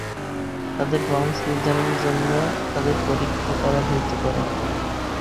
তাদের বাউন্স নির্ধারণের জন্য তাদের পরীক্ষা করা হতে পারে।